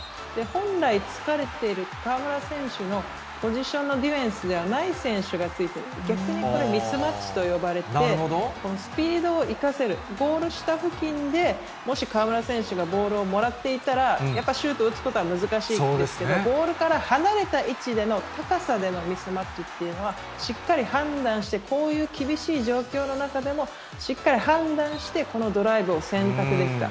本来、疲れている河村選手のポジションのディフェンスではない選手がついてる、逆にこれ、ミスマッチと呼ばれて、スピードを生かせる、ゴール下付近でもし河村選手がボールをもらっていたら、やっぱシュート打つことは難しいんですけど、ボールから離れた位置での高さでのミスマッチっていうのは、しっかり判断して、こういう厳しい状況の中でも、しっかり判断して、このドライブを選択できた。